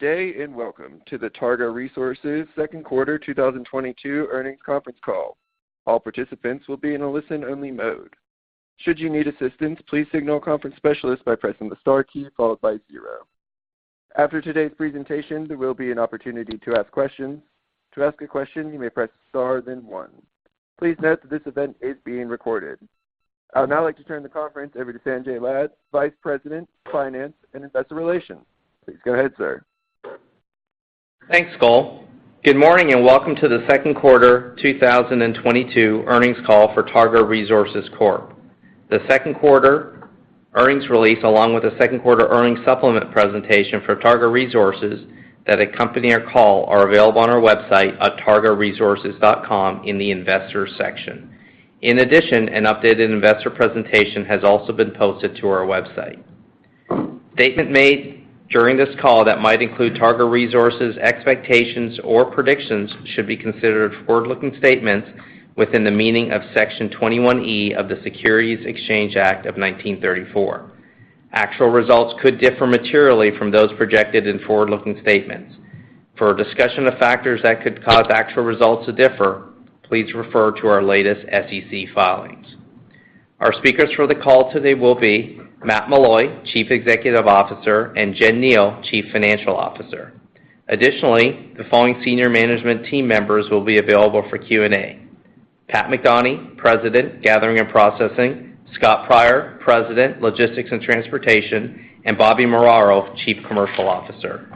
Good day, and welcome to the Targa Resources second quarter 2022 earnings conference call. All participants will be in a listen-only mode. Should you need assistance, please signal a conference specialist by pressing the star key followed by zero. After today's presentation, there will be an opportunity to ask questions. To ask a question, you may press star then one. Please note that this event is being recorded. I would now like to turn the conference over to Sanjay Lad, Vice President, Finance and Investor Relations. Please go ahead, sir. Thanks, Cole. Good morning, and welcome to the second quarter 2022 earnings call for Targa Resources Corp. The second quarter earnings release, along with the second quarter earnings supplement presentation for Targa Resources that accompany our call are available on our website at targaresources.com in the Investors section. In addition, an updated investor presentation has also been posted to our website. Statements made during this call that might include Targa Resources expectations or predictions should be considered forward-looking statements within the meaning of Section 21E of the Securities Exchange Act of 1934. Actual results could differ materially from those projected in forward-looking statements. For a discussion of factors that could cause actual results to differ, please refer to our latest SEC filings. Our speakers for the call today will be Matt Meloy, Chief Executive Officer, and Jen Kneale, Chief Financial Officer. Additionally, the following senior management team members will be available for Q&A. Pat McDonie, President, Gathering and Processing, Scott Pryor, President, Logistics and Transportation, and Robert M. Muraro, Chief Commercial Officer.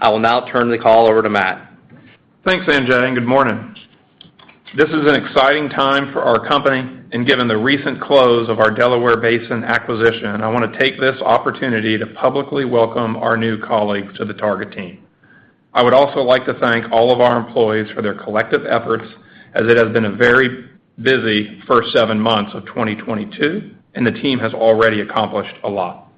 I will now turn the call over to Matt. Thanks, Sanjay, and good morning. This is an exciting time for our company, and given the recent close of our Delaware Basin acquisition, I want to take this opportunity to publicly welcome our new colleagues to the Targa team. I would also like to thank all of our employees for their collective efforts as it has been a very busy first seven months of 2022, and the team has already accomplished a lot.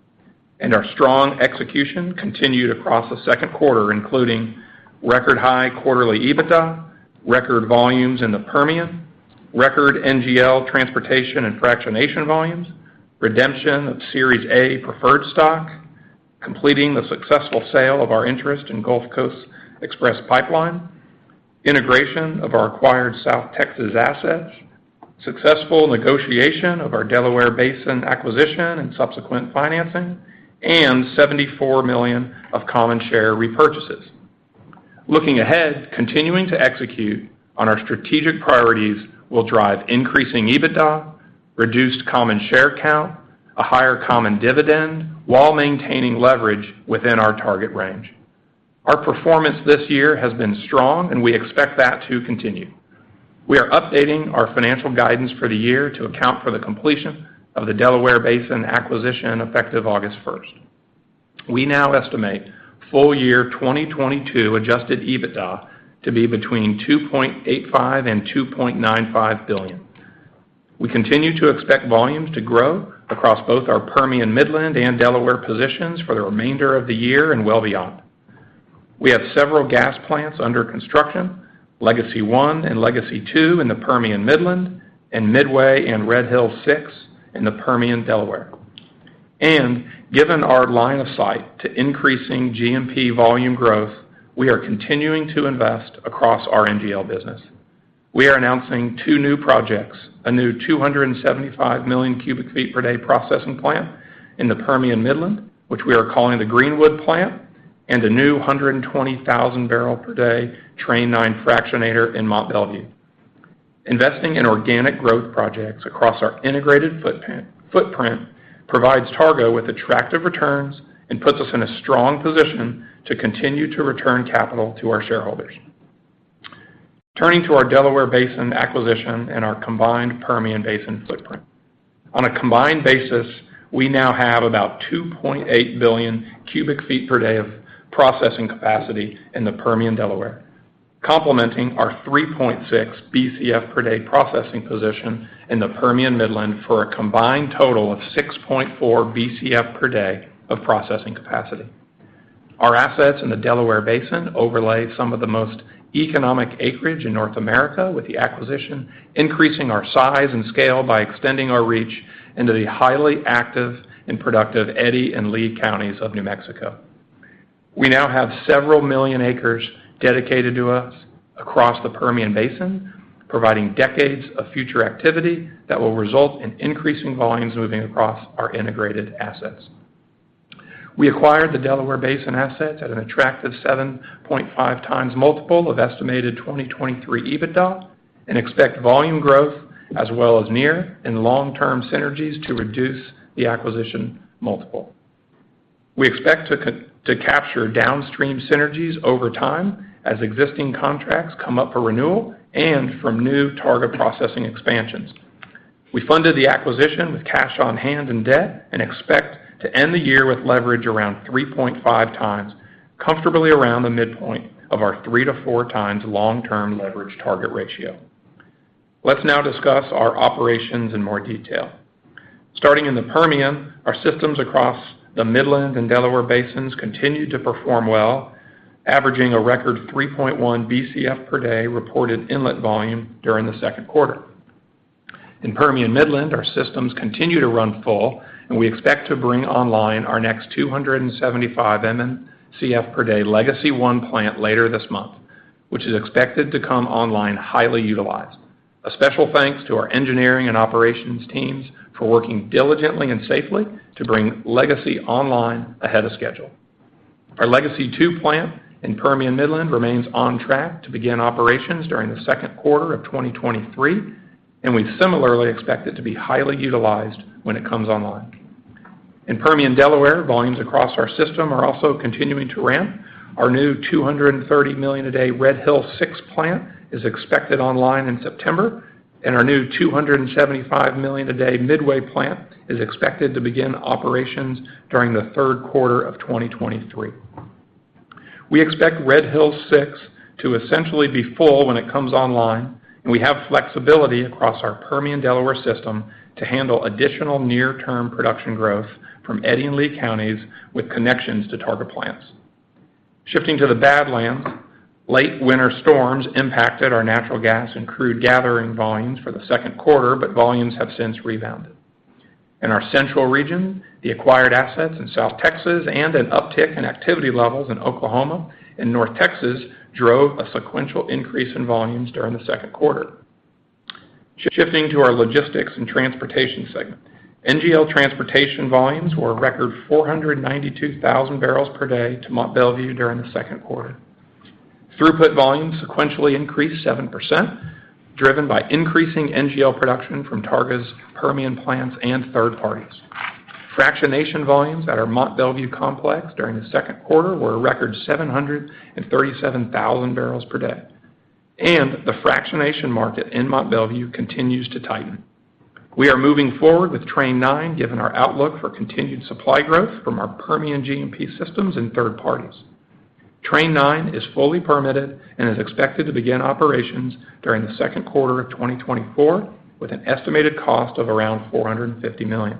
And our strong execution continued across the second quarter, including record high quarterly EBITDA, record volumes in the Permian, record NGL transportation and fractionation volumes, redemption of Series A Preferred Stock, completing the successful sale of our interest in Gulf Coast Express Pipeline, integration of our acquired South Texas assets, successful negotiation of our Delaware Basin acquisition and subsequent financing, and $74 million of common share repurchases. Looking ahead, continuing to execute on our strategic priorities will drive increasing EBITDA, reduced common share count, a higher common dividend while maintaining leverage within our target range. Our performance this year has been strong, and we expect that to continue. We are updating our financial guidance for the year to account for the completion of the Delaware Basin acquisition effective August first. We now estimate full-year 2022 adjusted EBITDA to be between $2.85 billion and $2.95 billion. We continue to expect volumes to grow across both our Permian, Midland and Delaware positions for the remainder of the year and well beyond. We have several gas plants under construction, Legacy and Legacy II in the Permian Midland and Midway and Red Hills VI in the Permian Delaware. And given our line of sight to increasing GMP volume growth, we are continuing to invest across our NGL business. We are announcing two new projects, a new 275 million cubic feet per day processing plant in the Permian Midland, which we are calling the Greenwood plant, and a new 120,000 barrel per day Train nine fractionator in Mont Belvieu. Investing in organic growth projects across our integrated footprint provides Targa with attractive returns and puts us in a strong position to continue to return capital to our shareholders. Turning to our Delaware Basin acquisition and our combined Permian Basin footprint. On a combined basis, we now have about 2.8 billion cubic feet per day of processing capacity in the Permian Delaware, complementing our 3.6 BCF per day processing position in the Permian Midland for a combined total of 6.4 BCF per day of processing capacity. Our assets in the Delaware Basin overlay some of the most economic acreage in North America, with the acquisition increasing our size and scale by extending our reach into the highly active and productive Eddy and Lee counties of New Mexico. We now have several million acres dedicated to us across the Permian Basin, providing decades of future activity that will result in increasing volumes moving across our integrated assets. We acquired the Delaware Basin assets at an attractive 7.5 times multiple of estimated 2023 EBITDA and expect volume growth as well as near- and long-term synergies to reduce the acquisition multiple. We expect to capture downstream synergies over time as existing contracts come up for renewal and from new Targa processing expansions. We funded the acquisition with cash on hand and debt and expect to end the year with leverage around 3.5 times, comfortably around the midpoint of our three to four times long-term leverage Targa ratio. Let's now discuss our operations in more detail. Starting in the Permian, our systems across the Midland and Delaware Basins continued to perform well, averaging a record 3.1 BCF per day reported inlet volume during the second quarter. In Permian Midland, our systems continue to run full, and we expect to bring online our next 275 MMcf per day Legacy One plant later this month, which is expected to come online highly utilized. A special thanks to our engineering and operations teams for working diligently and safely to bring Legacy online ahead of schedule. Our Legacy Two plant in Permian Midland remains on track to begin operations during the second quarter of 2023, and we similarly expect it to be highly utilized when it comes online. In Permian Delaware, volumes across our system are also continuing to ramp. Our new 230 million a day Red Hills VI plant is expected online in September, and our new 275 million a day Midway plant is expected to begin operations during the third quarter of 2023. We expect Red Hills VI to essentially be full when it comes online, and we have flexibility across our Permian Delaware system to handle additional near-term production growth from Eddy and Lee counties with connections to Targa plants. Shifting to the Badlands, late winter storms impacted our natural gas and crude gathering volumes for the second quarter, but volumes have since rebounded. In our Central region, the acquired assets in South Texas and an uptick in activity levels in Oklahoma and North Texas drove a sequential increase in volumes during the second quarter. Shifting to our Logistics and Transportation segment. NGL transportation volumes were a record 492,000 barrels per day to Mont Belvieu during the second quarter. Throughput volumes sequentially increased 7%, driven by increasing NGL production from Targa's Permian plants and third parties. Fractionation volumes at our Mont Belvieu complex during the second quarter were a record 737,000 barrels per day, and the fractionation market in Mont Belvieu continues to tighten. We are moving forward with Train nine, given our outlook for continued supply growth from our Permian GMP systems and third parties. Train nine is fully permitted and is expected to begin operations during the second quarter of 2024, with an estimated cost of around $450 million.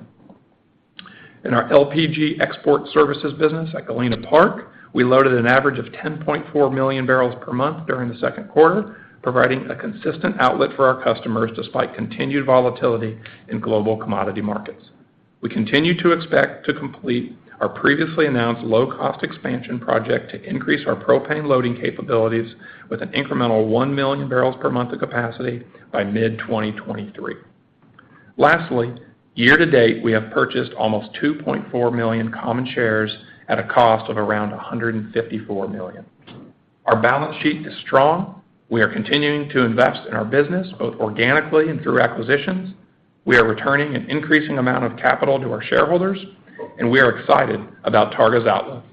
In our LPG export services business at Galena Park, we loaded an average of 10.4 million barrels per month during the second quarter, providing a consistent outlet for our customers despite continued volatility in global commodity markets. We continue to expect to complete our previously announced low-cost expansion project to increase our propane loading capabilities with an incremental 1 million barrels per month of capacity by mid-2023. Lastly, year to date, we have purchased almost 2.4 million common shares at a cost of around $154 million. Our balance sheet is strong. We are continuing to invest in our business, both organically and through acquisitions. We are returning an increasing amount of capital to our shareholders, and we are excited about Targa's outlook.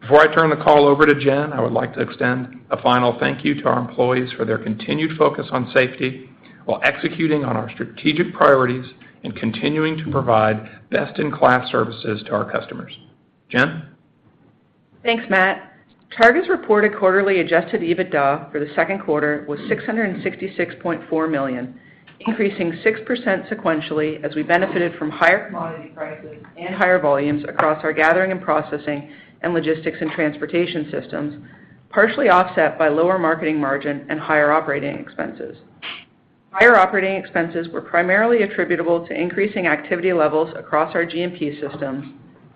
Before I turn the call over to Jen, I would like to extend a final thank you to our employees for their continued focus on safety while executing on our strategic priorities and continuing to provide best-in-class services to our customers. Jen? Thanks, Matt. Targa's reported quarterly adjusted EBITDA for the second quarter was $666.4 million, increasing 6% sequentially as we benefited from higher commodity prices and higher volumes across our gathering and processing and logistics and transportation systems, partially offset by lower marketing margin and higher operating expenses. Higher operating expenses were primarily attributable to increasing activity levels across our GMP systems,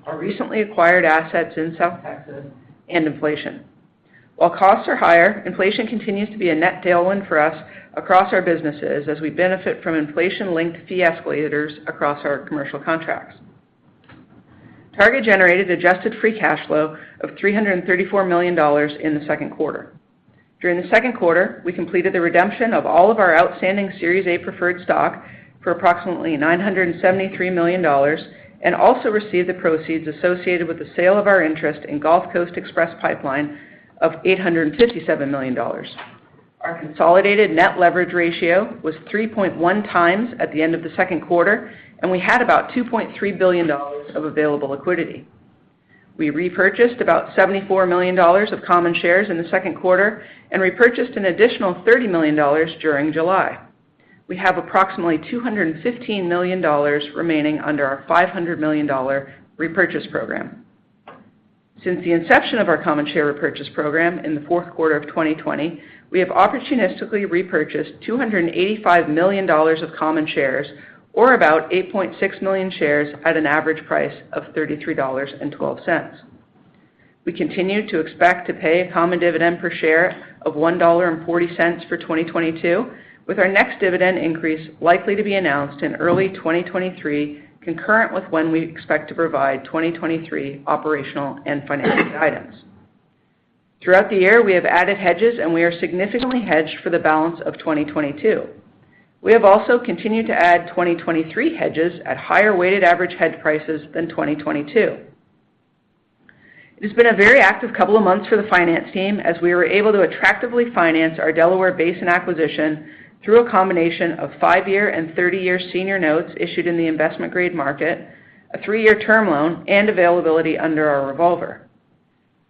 our recently acquired assets in South Texas, and inflation. While costs are higher, inflation continues to be a net tailwind for us across our businesses as we benefit from inflation-linked fee escalators across our commercial contracts. Targa generated adjusted free cash flow of $334 million in the second quarter. During the second quarter, we completed the redemption of all of our outstanding Series A Preferred Stock for approximately $973 million, and also received the proceeds associated with the sale of our interest in Gulf Coast Express Pipeline of $857 million. Our consolidated net leverage ratio was 3.1 times at the end of the second quarter, and we had about $2.3 billion of available liquidity. We repurchased about $74 million of common shares in the second quarter and repurchased an additional $30 million during July. We have approximately $215 million remaining under our $500 million repurchase program. Since the inception of our common share repurchase program in the fourth quarter of 2020, we have opportunistically repurchased $285 million of common shares or about 8.6 million shares at an average price of $33.12. We continue to expect to pay a common dividend per share of $1.40 for 2022, with our next dividend increase likely to be announced in early 2023, concurrent with when we expect to provide 2023 operational and financial guidance. Throughout the year, we have added hedges, and we are significantly hedged for the balance of 2022. We have also continued to add 2023 hedges at higher weighted average hedge prices than 2022. It has been a very active couple of months for the finance team as we were able to attractively finance our Delaware Basin acquisition through a combination of five year and 30-year senior notes issued in the investment-grade market, a three year term loan, and availability under our revolver.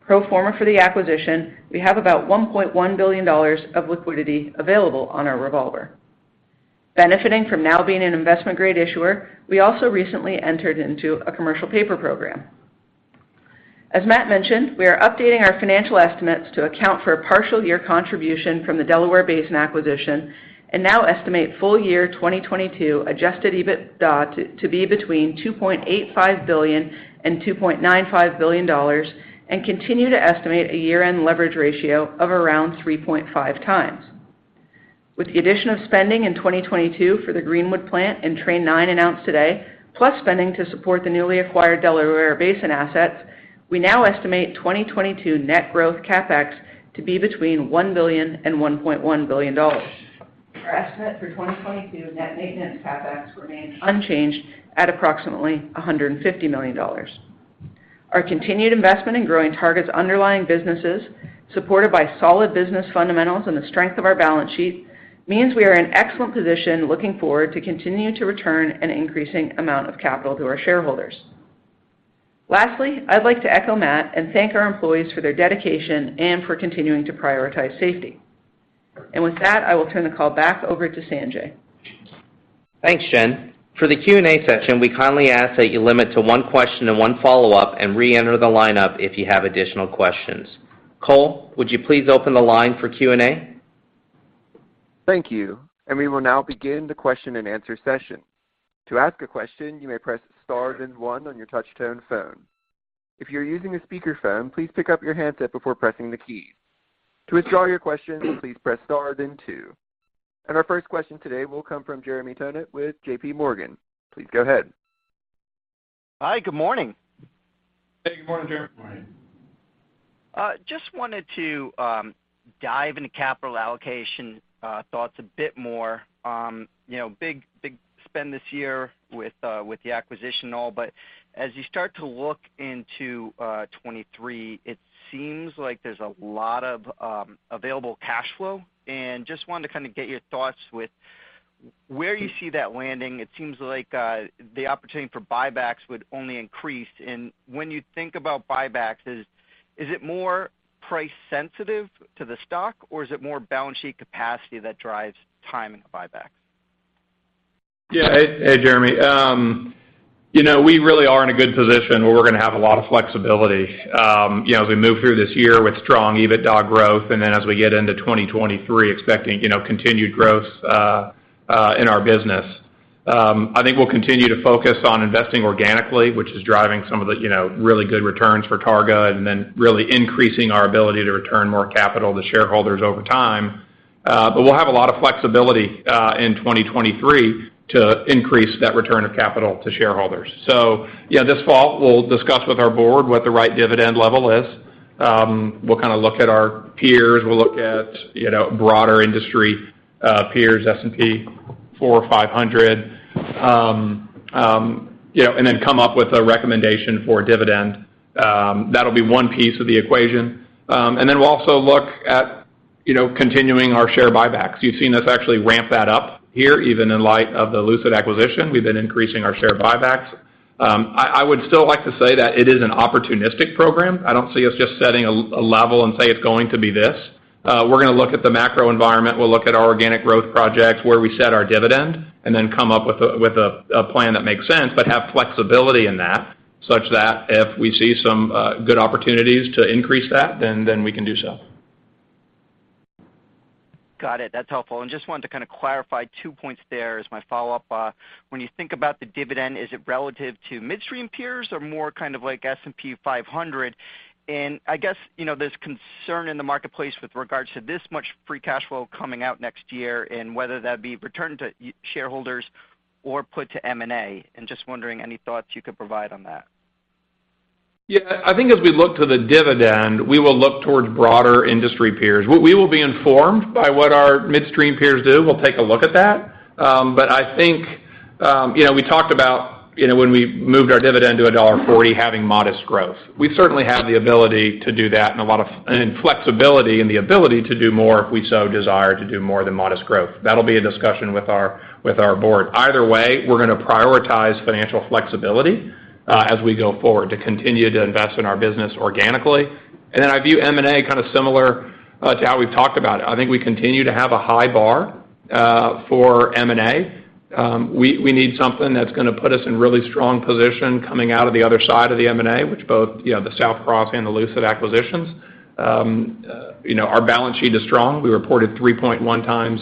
Pro forma for the acquisition, we have about $1.1 billion of liquidity available on our revolver. Benefiting from now being an investment-grade issuer, we also recently entered into a commercial paper program. As Matt mentioned, we are updating our financial estimates to account for a partial year contribution from the Delaware Basin acquisition and now estimate full year 2022 adjusted EBITDA to be between $2.85 billion and $2.95 billion, and continue to estimate a year-end leverage ratio of around 3.5 times. With the addition of spending in 2022 for the Greenwood plant and Train nine announced today, plus spending to support the newly acquired Delaware Basin assets, we now estimate 2022 net growth CapEx to be between $1 billion and $1.1 billion. Our estimate for 2022 net maintenance CapEx remains unchanged at approximately $150 million. Our continued investment in growing Targa's underlying businesses, supported by solid business fundamentals and the strength of our balance sheet, means we are in excellent position looking forward to continuing to return an increasing amount of capital to our shareholders. Lastly, I'd like to echo Matt and thank our employees for their dedication and for continuing to prioritize safety. With that, I will turn the call back over to Sanjay. Thanks, Jen. For the Q&A session, we kindly ask that you limit to one question and one follow-up and re-enter the lineup if you have additional questions. Cole, would you please open the line for Q&A? Thank you. We will now begin the question-and-answer session. To ask a question, you may press star then one on your touch-tone phone. If you're using a speakerphone, please pick up your handset before pressing the key. To withdraw your question, please press star then two. Our first question today will come from Jeremy Tonet with JP Morgan. Please go ahead. Hi, good morning. Hey, good morning, Jeremy. Good morning. Just wanted to dive into capital allocation thoughts a bit more. You know, big spend this year with the acquisition and all. But as you start to look into 2023, it seems like there's a lot of available cash flow. And just wanted to kind of get your thoughts with where you see that landing. It seems like the opportunity for buybacks would only increase. When you think about buybacks, is it more price sensitive to the stock, or is it more balance sheet capacity that drives timing of buybacks? Yeah. Hey, Jeremy. You know, we really are in a good position where we're gonna have a lot of flexibility, you know, as we move through this year with strong EBITDA growth, and then as we get into 2023 expecting, you know, continued growth in our business. I think we'll continue to focus on investing organically, which is driving some of the, you know, really good returns for Targa, and then really increasing our ability to return more capital to shareholders over time. We'll have a lot of flexibility in 2023 to increase that return of capital to shareholders. So yeah, this fall, we'll discuss with our board what the right dividend level is. We'll kind of look at our peers. We'll look at, you know, broader industry peers, S&P 400 or 500, you know, and then come up with a recommendation for a dividend. That'll be one piece of the equation. And we'll also look at, you know, continuing our share buybacks. You've seen us actually ramp that up here, even in light of the Lucid acquisition. We've been increasing our share buybacks. I would still like to say that it is an opportunistic program. I don't see us just setting a level and say it's going to be this. We're gonna look at the macro environment. We'll look at our organic growth projects, where we set our dividend, and then come up with a plan that makes sense, but have flexibility in that, such that if we see some good opportunities to increase that, then we can do so. Got it. That's helpful. Just wanted to kind of clarify two points there as my follow-up. When you think about the dividend, is it relative to midstream peers or more kind of like S&P 500? And I guess, you know, there's concern in the marketplace with regards to this much free cash flow coming out next year and whether that'd be returned to your shareholders or put to M&A. Just wondering, any thoughts you could provide on that. Yeah. I think as we look to the dividend, we will look towards broader industry peers. We will be informed by what our midstream peers do. We'll take a look at that. I think, you know, we talked about, you know, when we moved our dividend to $1.40, having modest growth. We certainly have the ability to do that and a lot of flexibility and the ability to do more if we so desire to do more than modest growth. That'll be a discussion with our board. Either way, we're gonna prioritize financial flexibility as we go forward to continue to invest in our business organically. I view M&A kind of similar to how we've talked about it. I think we continue to have a high bar for M&A. We need something that's gonna put us in really strong position coming out of the other side of the M&A, which both, you know, the Southcross and the Lucid acquisitions. You know, our balance sheet is strong. We reported 3.1 times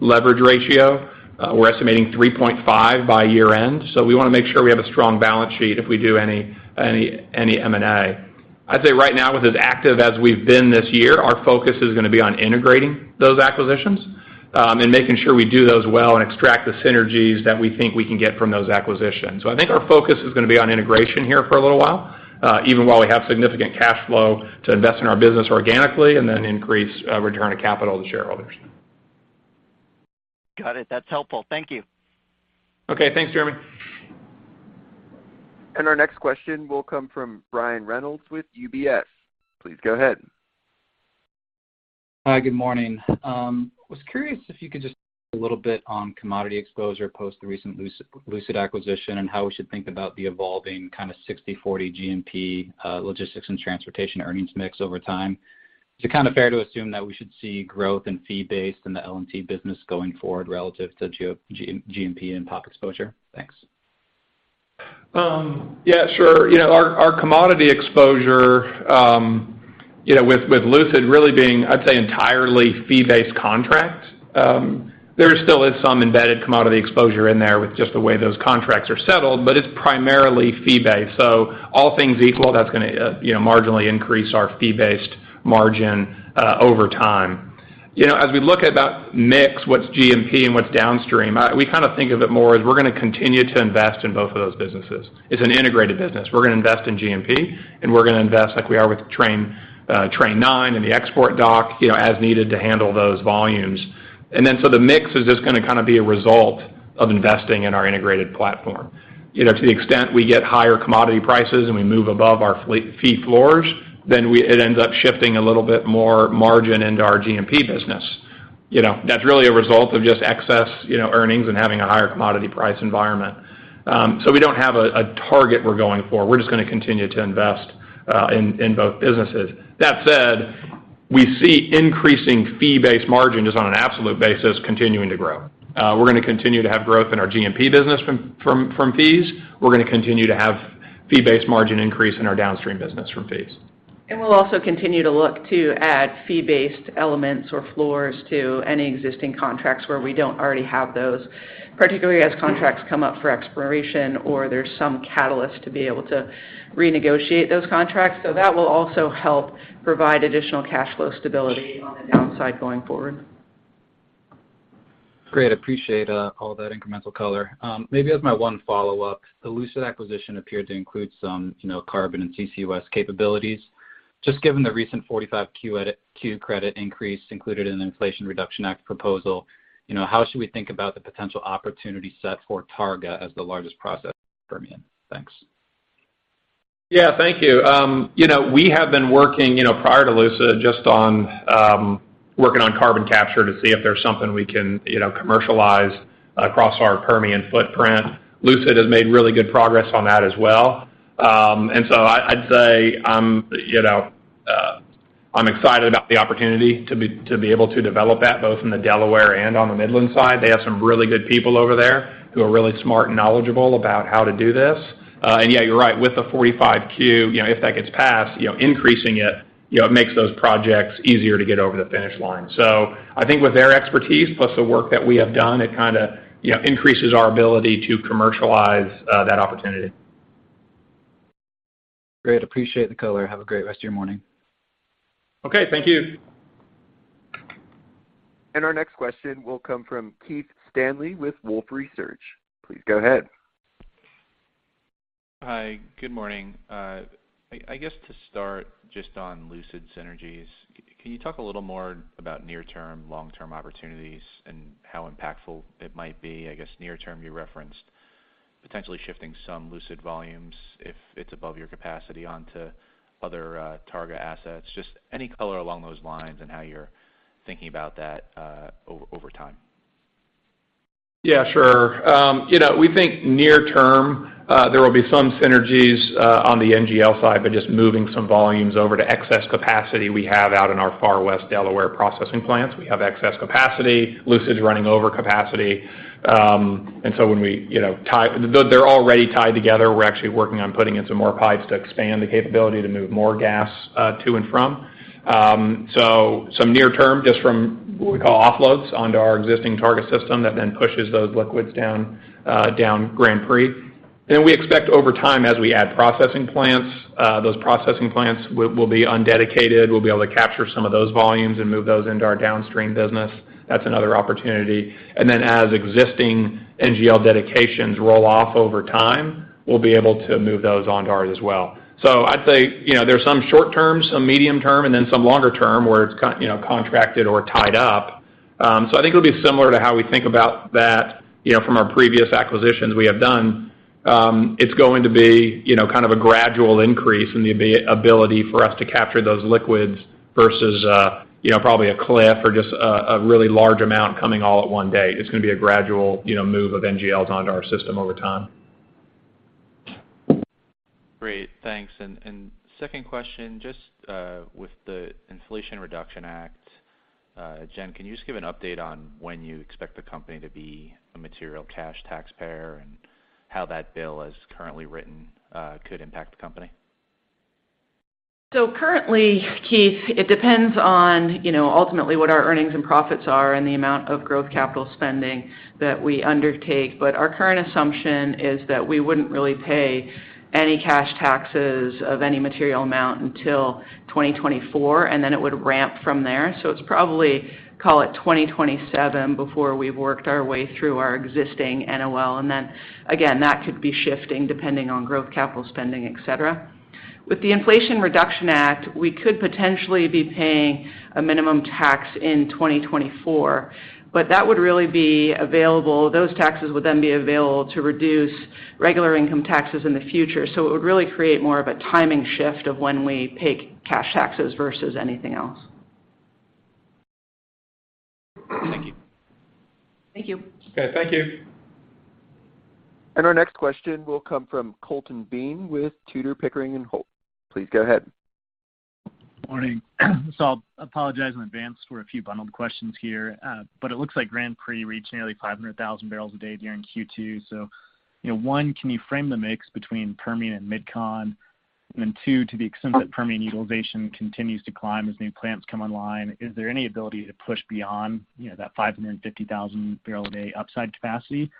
leverage ratio. We're estimating 3.5 by year-end. We wanna make sure we have a strong balance sheet if we do any M&A. I'd say right now, with as active as we've been this year, our focus is gonna be on integrating those acquisitions, and making sure we do those well and extract the synergies that we think we can get from those acquisitions. I think our focus is gonna be on integration here for a little while, even while we have significant cash flow to invest in our business organically and then increase return of capital to shareholders. Got it. That's helpful. Thank you. Okay. Thanks, Jeremy. Our next question will come from Brian Reynolds with UBS. Please go ahead. Hi, good morning. Was curious if you could just elaborate a little bit on commodity exposure post the recent Lucid acquisition and how we should think about the evolving kind of 60/40 G&P, logistics and transportation earnings mix over time. Is it kind of fair to assume that we should see growth in fee-based in the L&T business going forward relative to G&P and POP exposure? Thanks. Yeah, sure. You know, our commodity exposure, you know, with Lucid really being, I'd say entirely fee-based contracts, there still is some embedded commodity exposure in there with just the way those contracts are settled, but it's primarily fee-based. So all things equal, that's gonna, you know, marginally increase our fee-based margin, over time. You know, as we look at that mix, what's G&P and what's downstream, we kind of think of it more as we're gonna continue to invest in both of those businesses. It's an integrated business. We're gonna invest in G&P, and we're gonna invest like we are with Train 9 and the export dock, you know, as needed to handle those volumes. The mix is just gonna kind of be a result of investing in our integrated platform. You know, to the extent we get higher commodity prices and we move above our fee floors, then we it end up shifting a little bit more margin into our GMP business. You know, that's really a result of just excess, you know, earnings and having a higher commodity price environment. So we don't have a target we're going for. We're just gonna continue to invest in both businesses. That said, we see increasing fee-based margin just on an absolute basis continuing to grow. We're gonna continue to have growth in our GMP business from fees. We're gonna continue to have fee-based margin increase in our downstream business from fees. We'll also continue to look to add fee-based elements or floors to any existing contracts where we don't already have those, particularly as contracts come up for expiration or there's some catalyst to be able to renegotiate those contracts. That will also help provide additional cash flow stability on the downside going forward. Great. Appreciate all that incremental color. Maybe as my one follow-up, the Lucid acquisition appeared to include some, you know, carbon and CCUS capabilities. Just given the recent 45Q credit increase included in the Inflation Reduction Act proposal, you know, how should we think about the potential opportunity set for Targa as the largest processor in Permian? Thanks. Yeah, thank you. You know, we have been working, you know, prior to Lucid just on working on carbon capture to see if there's something we can, you know, commercialize across our Permian footprint. Lucid has made really good progress on that as well. I'd say, you know, I'm excited about the opportunity to be able to develop that both in the Delaware and on the Midland side. They have some really good people over there who are really smart and knowledgeable about how to do this. Yeah, you're right, with the 45Q, you know, if that gets passed, you know, increasing it, you know, it makes those projects easier to get over the finish line. So I think with their expertise plus the work that we have done, it kinda, you know, increases our ability to commercialize that opportunity. Great. Appreciate the color. Have a great rest of your morning. Okay. Thank you. Our next question will come from Keith Stanley with Wolfe Research. Please go ahead. Hi. Good morning. I guess to start just on Lucid synergies, can you talk a little more about near-term, long-term opportunities and how impactful it might be? I guess near term, you referenced potentially shifting some Lucid volumes if it's above your capacity onto other, Targa assets. Just any color along those lines and how you're thinking about that, over time. Yeah, sure. You know, we think near term, there will be some synergies on the NGL side by just moving some volumes over to excess capacity we have out in our far west Delaware processing plants. We have excess capacity. Lucid is running over capacity. You know, they're already tied together. We're actually working on putting in some more pipes to expand the capability to move more gas to and from. So some near term, just from what we call offloads onto our existing Targa system that then pushes those liquids down Grand Prix. Then we expect over time, as we add processing plants, those processing plants will be undedicated. We'll be able to capture some of those volumes and move those into our downstream business. That's another opportunity. Then as existing NGL dedications roll off over time, we'll be able to move those onto ours as well. So I'd say, you know, there's some short term, some medium term, and then some longer term where it's contracted or tied up. I think it'll be similar to how we think about that, you know, from our previous acquisitions we have done. It's going to be, you know, kind of a gradual increase in the ability for us to capture those liquids versus, you know, probably a cliff or just a really large amount coming all at one day. It's gonna be a gradual, you know, move of NGLs onto our system over time. Great. Thanks. Second question, with the Inflation Reduction Act, Jen, can you just give an update on when you expect the company to be a material cash taxpayer and how that bill as currently written could impact the company? So currently, Keith, it depends on, you know, ultimately what our earnings and profits are and the amount of growth capital spending that we undertake. Our current assumption is that we wouldn't really pay any cash taxes of any material amount until 2024, and then it would ramp from there. It's probably, call it, 2027 before we've worked our way through our existing NOL. Then again, that could be shifting depending on growth, capital spending, et cetera. With the Inflation Reduction Act, we could potentially be paying a minimum tax in 2024, but that would really be available. Those taxes would then be available to reduce regular income taxes in the future. It would really create more of a timing shift of when we pay cash taxes versus anything else. Thank you. Thank you. Okay. Thank you. Our next question will come from Colton Bean with Tudor, Pickering, Holt & Co. Please go ahead. Morning. I'll apologize in advance for a few bundled questions here. But it looks like Grand Prix reached nearly 500,000 barrels a day during Q2. You know, one, can you frame the mix between Permian and MidCon? And then two, to the extent that Permian utilization continues to climb as new plants come online, is there any ability to push beyond, you know, that 550,000 barrel a day upside capacity?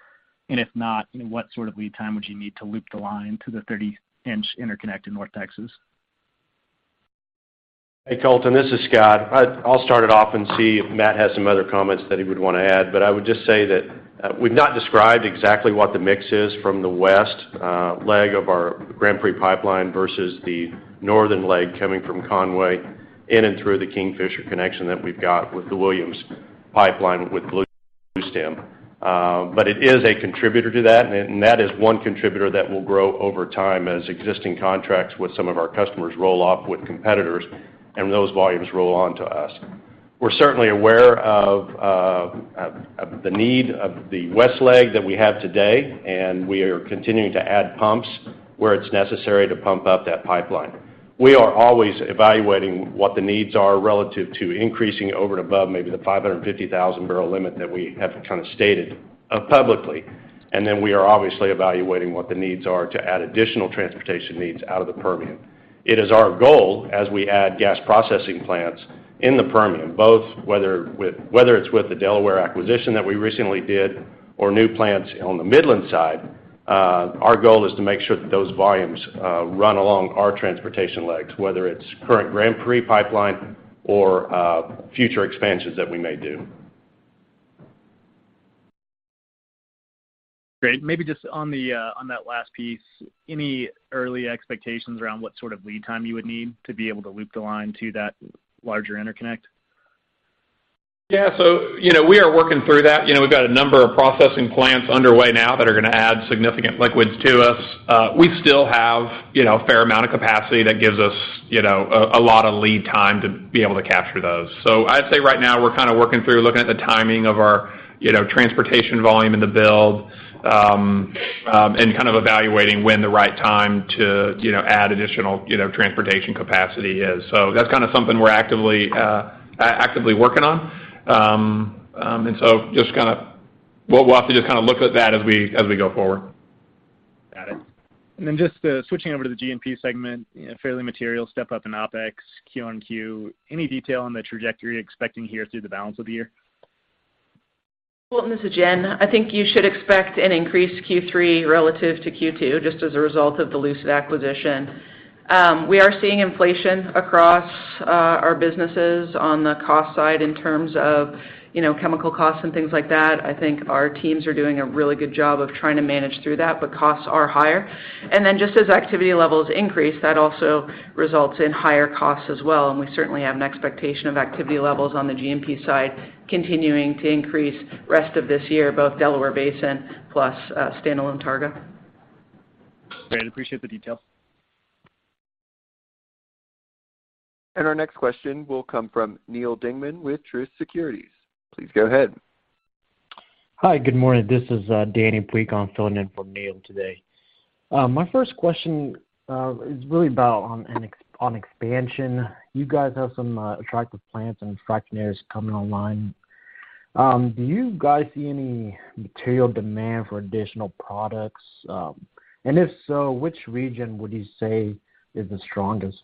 And if not, what sort of lead time would you need to loop the line to the 30-inch interconnect in North Texas? Hey, Colton, this is Scott. I'll start it off and see if Matt has some other comments that he would wanna add, but I would just say that we've not described exactly what the mix is from the west leg of our Grand Prix pipeline versus the northern leg coming from Conway in and through the Kingfisher connection that we've got with the Williams pipeline with Bluestem. It is a contributor to that, and that is one contributor that will grow over time as existing contracts with some of our customers roll off with competitors and those volumes roll on to us. We're certainly aware of the need of the west leg that we have today, and we are continuing to add pumps where it's necessary to pump up that pipeline. We are always evaluating what the needs are relative to increasing over and above maybe the 550,000-barrel limit that we have kind of stated publicly. We are obviously evaluating what the needs are to add additional transportation needs out of the Permian. It is our goal as we add gas processing plants in the Permian, both whether it's with the Delaware acquisition that we recently did or new plants on the Midland side, our goal is to make sure that those volumes run along our transportation legs, whether it's current Grand Prix pipeline or future expansions that we may do. Great. Maybe just on that last piece, any early expectations around what sort of lead time you would need to be able to loop the line to that larger interconnect? Yeah. So you know, we are working through that. You know, we've got a number of processing plants underway now that are gonna add significant liquids to us. We still have, you know, a fair amount of capacity that gives us, you know, a lot of lead time to be able to capture those. I'd say right now we're kind of working through, looking at the timing of our, you know, transportation volume in the build, and kind of evaluating when the right time to, you know, add additional, you know, transportation capacity is. That's kind of something we're actively working on. We'll have to just kind of look at that as we go forward. Got it. Just switching over to the G&P segment, you know, fairly material step up in OpEx Q on Q. Any detail on the trajectory expecting here through the balance of the year? Colton, this is Jen. I think you should expect an increased Q3 relative to Q2 just as a result of the Lucid acquisition. We are seeing inflation across our businesses on the cost side in terms of, you know, chemical costs and things like that. I think our teams are doing a really good job of trying to manage through that, but costs are higher. Just as activity levels increase, that also results in higher costs as well, and we certainly have an expectation of activity levels on the G&P side continuing to increase rest of this year, both Delaware Basin plus standalone Targa. Great. Appreciate the detail. Our next question will come from Neal Dingmann with Truist Securities. Please go ahead. Hi, good morning. This is Danny Pleak. I'm filling in for Neal today. My first question is really about an expansion. You guys have some attractive plants and fractionators coming online. Do you guys see any material demand for additional products? And if so, which region would you say is the strongest?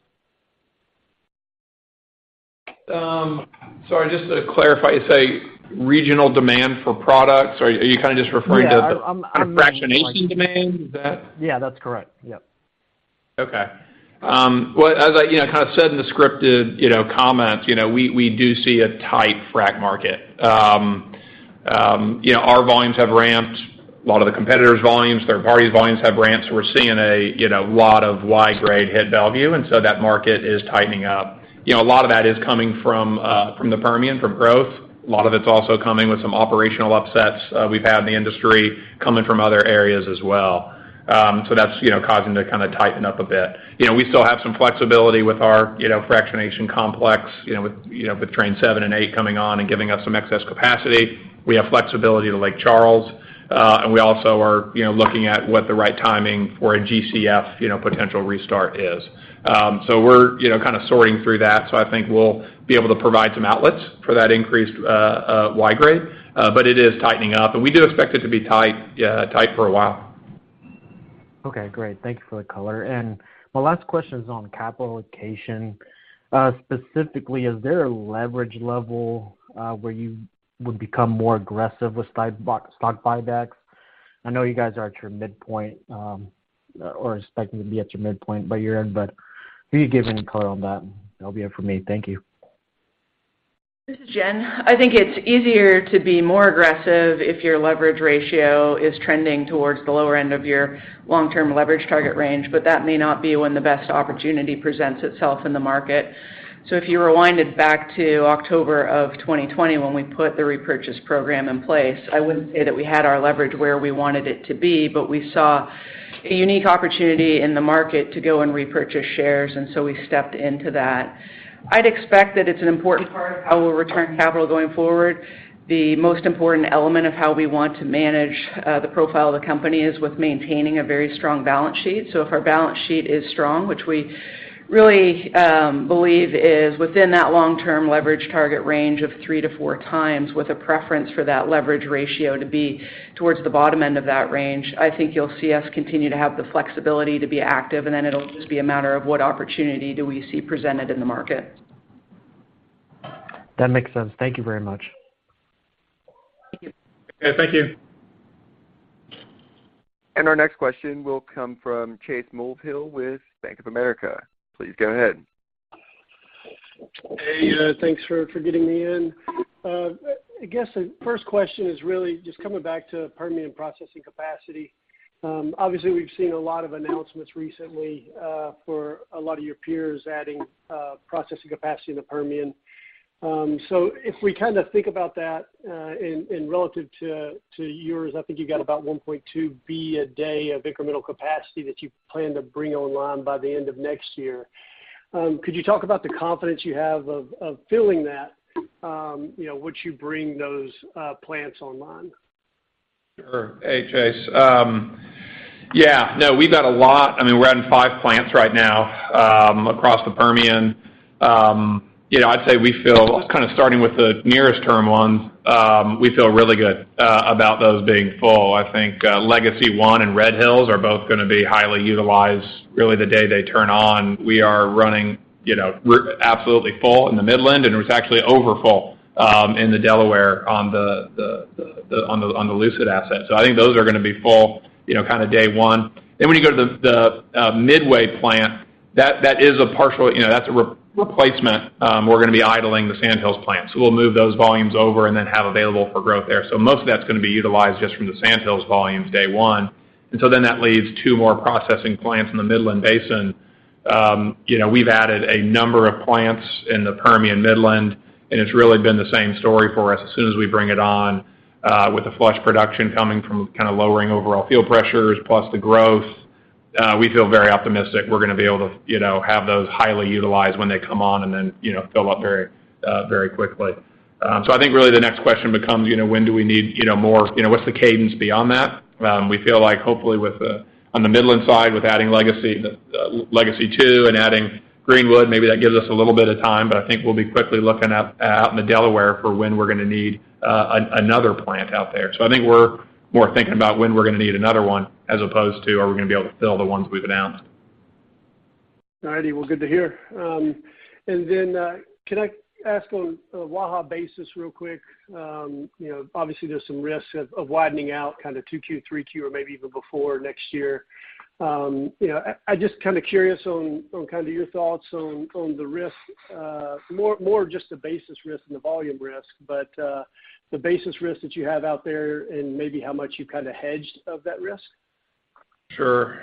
Sorry, just to clarify, you say regional demand for products, or are you kinda just referring to? Yeah. I'm Kind of fractionation demand? Is that? Yeah, that's correct. Yep. Okay. Well, as I, you know, kind of said in the scripted, you know, comments, you know, we do see a tight frack market. You know, our volumes have ramped. A lot of the competitors' volumes, third party volumes have ramped, so we're seeing a lot of Y-grade headed to Belvieu, and so that market is tightening up. You know, a lot of that is coming from the Permian, from growth. A lot of it's also coming with some operational upsets we've had in the industry coming from other areas as well. So that's, you know, causing to kind of tighten up a bit. You know, we still have some flexibility with our, you know, fractionation complex, you know, with train seven and eight coming on and giving us some excess capacity. We have flexibility to Lake Charles, and we also are, you know, looking at what the right timing for a GCF, you know, potential restart is. We're, you know, kind of sorting through that. I think we'll be able to provide some outlets for that increased Y-grade, but it is tightening up, and we do expect it to be tight for a while. Okay, great. Thank you for the color. And my last question is on capital allocation. Specifically, is there a leverage level where you would become more aggressive with stock buybacks? I know you guys are at your midpoint or expecting to be at your midpoint by year-end, but can you give any color on that? That'll be it for me. Thank you. This is Jen. I think it's easier to be more aggressive if your leverage ratio is trending towards the lower end of your long-term leverage target range, but that may not be when the best opportunity presents itself in the market. So if you rewind it back to October of 2020 when we put the repurchase program in place, I wouldn't say that we had our leverage where we wanted it to be, but we saw a unique opportunity in the market to go and repurchase shares, and so we stepped into that. I'd expect that it's an important part of how we'll return capital going forward. The most important element of how we want to manage the profile of the company is with maintaining a very strong balance sheet. If our balance sheet is strong, which we really believe is within that long-term leverage target range of three to four times with a preference for that leverage ratio to be towards the bottom end of that range. I think you'll see us continue to have the flexibility to be active, and then it'll just be a matter of what opportunity do we see presented in the market. That makes sense. Thank you very much. Thank you. Okay, thank you. Our next question will come from Chase Mulvehill with Bank of America. Please go ahead. Hey, thanks for getting me in. I guess the first question is really just coming back to Permian processing capacity. Obviously, we've seen a lot of announcements recently for a lot of your peers adding processing capacity in the Permian. So if we kind of think about that relative to yours, I think you got about 1.2 BCF a day of incremental capacity that you plan to bring online by the end of next year. Could you talk about the confidence you have of filling that, you know, once you bring those plants online? Sure. Hey, Chase. We've got a lot—I mean, we're adding 5 plants right now, across the Permian. You know, I'd say we feel. Well, kind of starting with the nearest term ones, we feel really good about those being full. I think, Legacy one and Red Hills are both gonna be highly utilized really the day they turn on. We are running, you know, we're absolutely full in the Midland, and it was actually overfull, in the Delaware on the Lucid asset. I think those are gonna be full, you know, kind of day one. Then when you go to the Midway plant, that is a partial, you know, that's a replacement, we're gonna be idling the Sandhills plant. We'll move those volumes over and then have available for growth there. Most of that's gonna be utilized just from the Sandhills volumes day one. That leaves two more processing plants in the Midland Basin. You know, we've added a number of plants in the Permian Midland, and it's really been the same story for us. As soon as we bring it on, with the flush production coming from kind of lowering overall field pressures plus the growth, we feel very optimistic we're gonna be able to, you know, have those highly utilized when they come on and then, you know, fill up very, very quickly. I think really the next question becomes, you know, when do we need, you know, more, you know, what's the cadence beyond that? We feel like hopefully on the Midland side, with adding Legacy two and adding Greenwood, maybe that gives us a little bit of time. I think we'll be quickly looking out in the Delaware for when we're gonna need another plant out there. I think we're more thinking about when we're gonna need another one as opposed to are we gonna be able to fill the ones we've announced. All righty. Well, good to hear. Can I ask on a Waha basis real quick? You know, obviously, there's some risks of widening out kind of 2Q, 3Q, or maybe even before next year. You know, I just kind of curious on kind of your thoughts on the risk, more just the basis risk than the volume risk, but the basis risk that you have out there and maybe how much you've kind of hedged of that risk. Sure.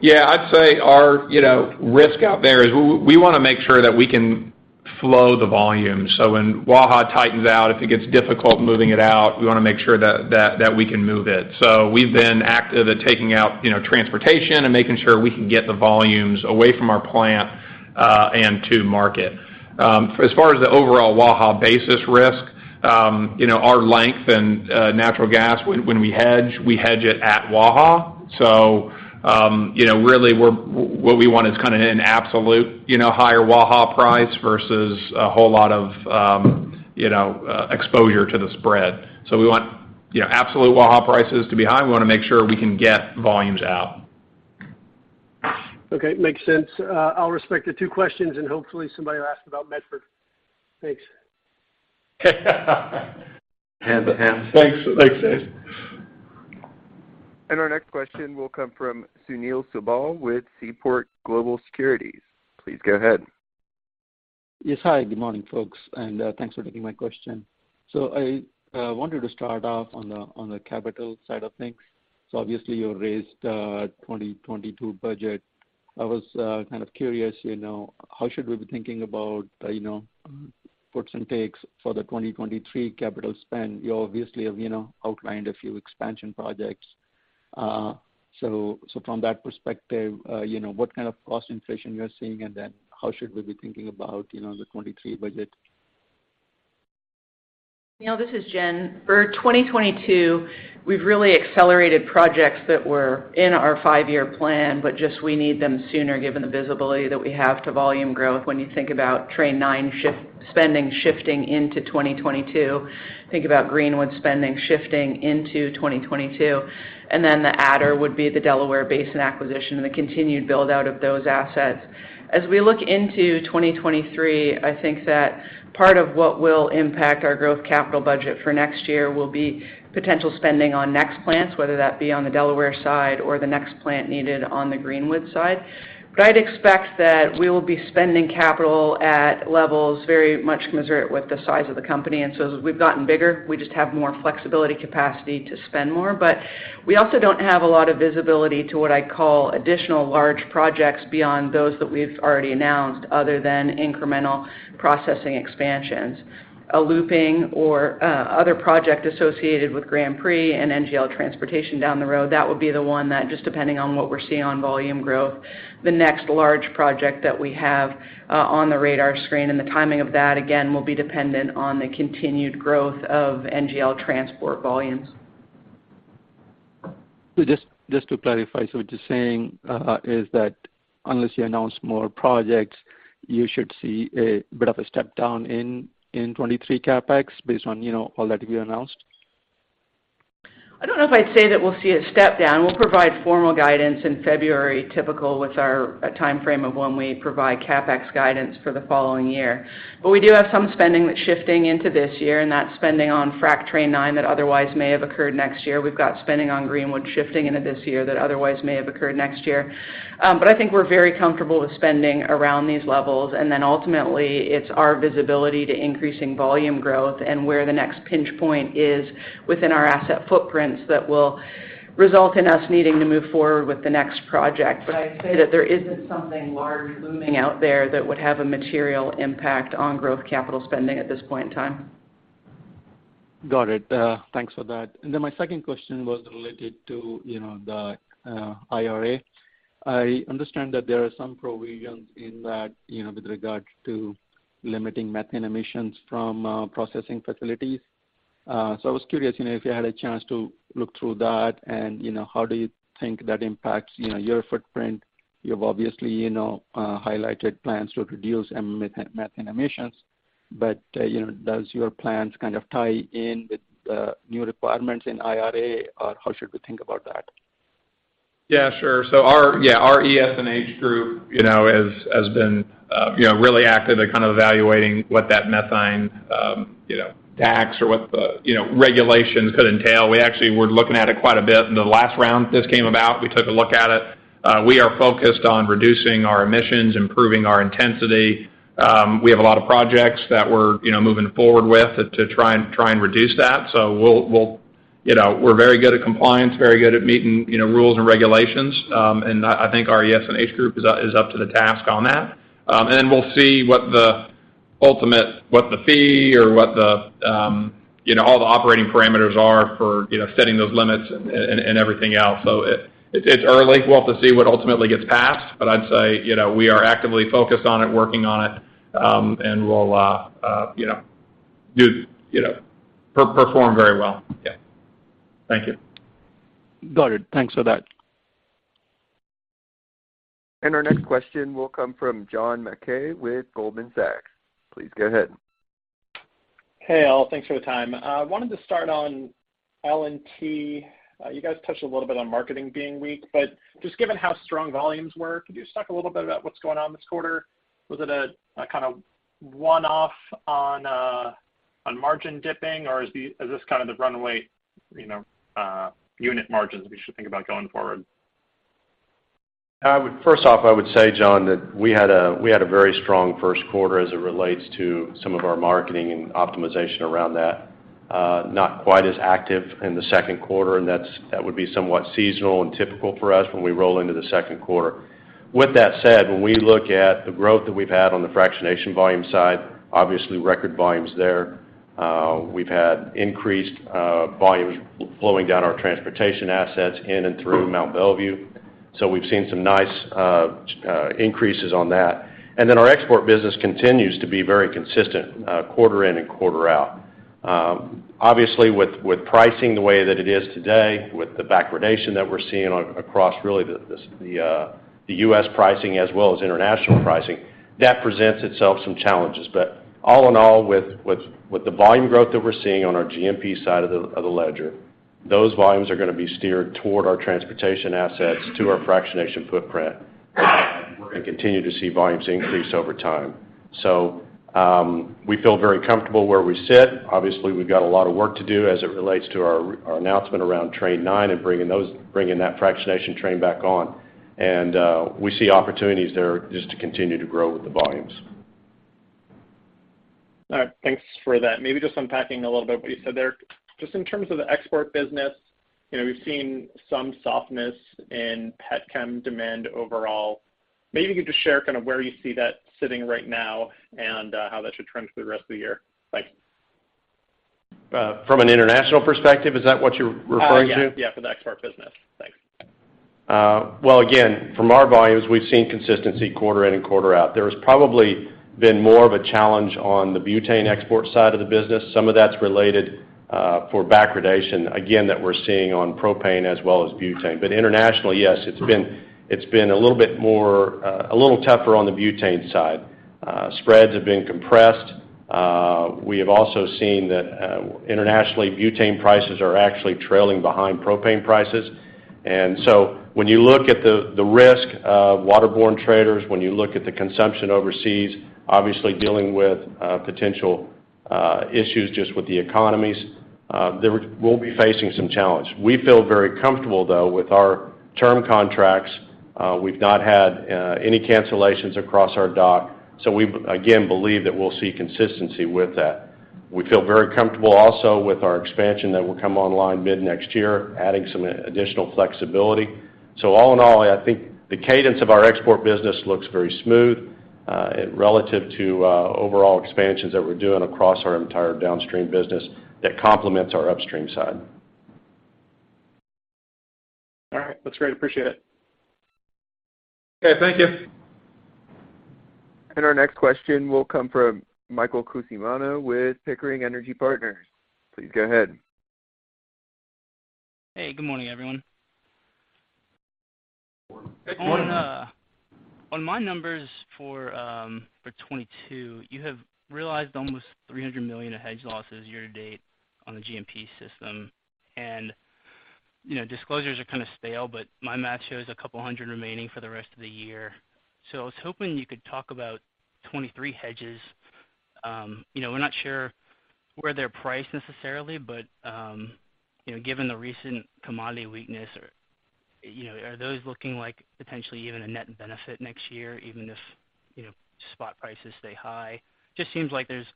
Yeah, I'd say our, you know, risk out there is we wanna make sure that we can flow the volume. So when Waha tightens out, if it gets difficult moving it out, we wanna make sure that we can move it. We've been active at taking out, you know, transportation and making sure we can get the volumes away from our plant, and to market. As far as the overall Waha basis risk, you know, our length and natural gas when we hedge, we hedge it at Waha. So you know, really we're, what we want is kind of an absolute, you know, higher Waha price versus a whole lot of, you know, exposure to the spread. We want, you know, absolute Waha prices to be high. We wanna make sure we can get volumes out. Okay. Makes sense. I'll respect the two questions and hopefully somebody will ask about Medford. Thanks. Thanks. Thanks, Chase. Our next question will come from Sunil Sibal with Seaport Global Securities. Please go ahead. Yes. Hi, good morning, folks, and thanks for taking my question. So I wanted to start off on the capital side of things. Obviously you raised 2022 budget. I was kind of curious, you know, how should we be thinking about, you know, puts and takes for the 2023 capital spend. You obviously have, you know, outlined a few expansion projects. From that perspective, you know, what kind of cost inflation you're seeing, and then how should we be thinking about, you know, the 2023 budget? You know, this is Jen. For 2022, we've really accelerated projects that were in our five year plan, but just we need them sooner given the visibility that we have to volume growth when you think about Train 9 spending shifting into 2022. Think about Greenwood spending shifting into 2022. Then the adder would be the Delaware Basin acquisition and the continued build-out of those assets. As we look into 2023, I think that part of what will impact our growth capital budget for next year will be potential spending on next plants, whether that be on the Delaware side or the next plant needed on the Greenwood side. I'd expect that we will be spending capital at levels very much commensurate with the size of the company. As we've gotten bigger, we just have more flexibility capacity to spend more. We also don't have a lot of visibility to what I call additional large projects beyond those that we've already announced other than incremental processing expansions. A looping or other project associated with Grand Prix and NGL transportation down the road, that would be the one that just depending on what we're seeing on volume growth, the next large project that we have on the radar screen. The timing of that, again, will be dependent on the continued growth of NGL transport volumes. Just to clarify. What you're saying is that unless you announce more projects, you should see a bit of a step down in 2023 CapEx based on, you know, all that you announced? I don't know if I'd say that we'll see a step down. We'll provide formal guidance in February, typical with our time frame of when we provide CapEx guidance for the following year. We do have some spending that's shifting into this year, and that's spending on Train 9 that otherwise may have occurred next year. We've got spending on Greenwood shifting into this year that otherwise may have occurred next year. I think we're very comfortable with spending around these levels. Then ultimately, it's our visibility to increasing volume growth and where the next pinch point is within our asset footprints that will result in us needing to move forward with the next project. I'd say that there isn't something large looming out there that would have a material impact on growth capital spending at this point in time. Got it. Thanks for that. And then, my second question was related to, you know, the IRA. I understand that there are some provisions in that, you know, with regard to limiting methane emissions from processing facilities. So I was curious, you know, if you had a chance to look through that and, you know, how do you think that impacts, you know, your footprint? You have obviously, you know, highlighted plans to reduce methane emissions. You know, does your plans kind of tie in with new requirements in IRA? Or how should we think about that? Yeah, sure. Our ES&H group, you know, has been, you know, really active at kind of evaluating what that methane tax or what the regulations could entail. We actually were looking at it quite a bit. In the last round this came about, we took a look at it. We are focused on reducing our emissions, improving our intensity. We have a lot of projects that we're, you know, moving forward with to try and reduce that. We'll, you know, we're very good at compliance, very good at meeting, you know, rules and regulations. I think our ES&H group is up to the task on that. We'll see what the fee or what the, you know, all the operating parameters are for, you know, setting those limits and everything else. It's early. We'll have to see what ultimately gets passed. I'd say, you know, we are actively focused on it, working on it, and we'll, you know, do, perform very well. Yeah. Thank you. Got it. Thanks for that. Our next question will come from John Mackay with Goldman Sachs. Please go ahead. Hey, all. Thanks for the time. Wanted to start on L&T. You guys touched a little bit on marketing being weak, but just given how strong volumes were, could you talk a little bit about what's going on this quarter? Was it a kinda one-off on margin dipping or is this kind of the run rate, you know, unit margins we should think about going forward? First off, I would say, John, that we had a very strong first quarter as it relates to some of our marketing and optimization around that. Not quite as active in the second quarter, and that would be somewhat seasonal and typical for us when we roll into the second quarter. With that said, when we look at the growth that we've had on the fractionation volume side, obviously record volumes there. We've had increased volumes flowing down our transportation assets in and through Mont Belvieu. So we've seen some nice increases on that. Our export business continues to be very consistent quarter in and quarter out. Obviously with pricing the way that it is today, with the backwardation that we're seeing across really the U.S. pricing as well as international pricing, that presents itself some challenges. All in all, with the volume growth that we're seeing on our GMP side of the ledger, those volumes are gonna be steered toward our transportation assets to our fractionation footprint, and we're gonna continue to see volumes increase over time. We feel very comfortable where we sit. Obviously, we've got a lot of work to do as it relates to our announcement around Train 9 and bringing that fractionation train back on. We see opportunities there just to continue to grow with the volumes. All right. Thanks for that. Maybe just unpacking a little bit what you said there. Just in terms of the export business, you know, we've seen some softness in pet chem demand overall. Maybe you could just share kind of where you see that sitting right now and how that should trend through the rest of the year. Thanks. From an international perspective, is that what you're referring to? Yeah, yeah, for the export business. Thanks. Well, again, from our volumes, we've seen consistency quarter in and quarter out. There's probably been more of a challenge on the butane export side of the business. Some of that's related for backwardation, again, that we're seeing on propane as well as butane. Internationally, yes, it's been a little bit more a little tougher on the butane side. Spreads have been compressed. We have also seen that internationally, butane prices are actually trailing behind propane prices. And so when you look at the risk of waterborne traders, when you look at the consumption overseas, obviously dealing with potential issues just with the economies there we'll be facing some challenge. We feel very comfortable, though, with our term contracts. We've not had any cancellations across our dock. So we, again, believe that we'll see consistency with that. We feel very comfortable also with our expansion that will come online mid-next year, adding some additional flexibility. All in all, I think the cadence of our export business looks very smooth, relative to overall expansions that we're doing across our entire downstream business that complements our upstream side. All right. Looks great. Appreciate it. Okay. Thank you. Our next question will come from Michael Cusimano with Pickering Energy Partners. Please go ahead. Hey, good morning, everyone. Good morning. On my numbers for 2022, you have realized almost $300 million of hedge losses year to date on the GMP system. You know, disclosures are kinda stale, but my math shows a couple hundred remaining for the rest of the year. I was hoping you could talk about 2023 hedges. You know, we're not sure where they're priced necessarily, but you know, given the recent commodity weakness or, you know, are those looking like potentially even a net benefit next year, even if, you know, spot prices stay high? Just seems like there's,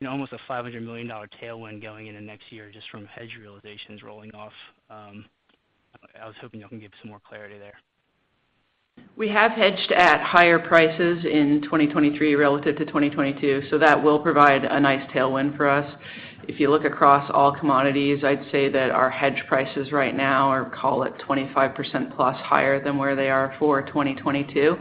you know, almost a $500 million tailwind going into next year just from hedge realizations rolling off. I was hoping y'all can give some more clarity there. We have hedged at higher prices in 2023 relative to 2022, so that will provide a nice tailwind for us. If you look across all commodities, I'd say that our hedge prices right now are, call it, 25% plus higher than where they are for 2022.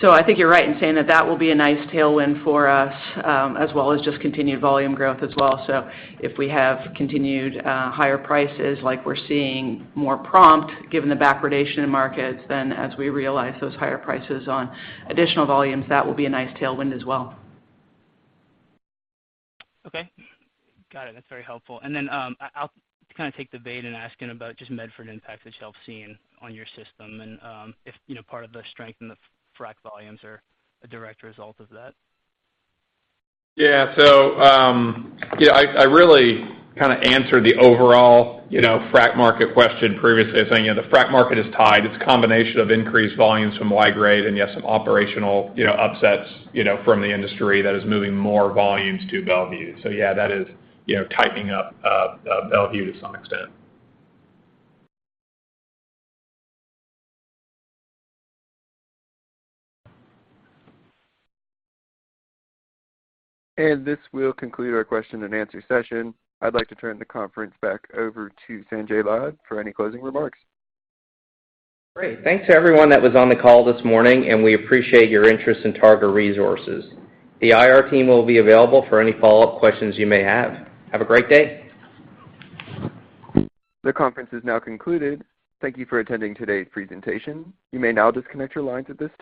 So I think you're right in saying that that will be a nice tailwind for us, as well as just continued volume growth as well. If we have continued higher prices like we're seeing more prompt given the backwardation in markets, then as we realize those higher prices on additional volumes, that will be a nice tailwind as well. Okay. Got it. That's very helpful. I'll kind of take the bait in asking about just Medford impact that y'all have seen on your system and, if, you know, part of the strength in the frack volumes are a direct result of that. Yeah so, I really kinda answered the overall, you know, frack market question previously saying, you know, the frack market is tied. It's a combination of increased volumes from Y-grade, and you have some operational, you know, upsets, you know, from the industry that is moving more volumes to Belvieu. Yeah, that is, you know, tightening up Belvieu to some extent. This will conclude our question and answer session. I'd like to turn the conference back over to Sanjay Lad for any closing remarks. Great. Thanks to everyone that was on the call this morning, and we appreciate your interest in Targa Resources. The IR team will be available for any follow-up questions you may have. Have a great day. The conference is now concluded. Thank you for attending today's presentation. You may now disconnect your lines at this time.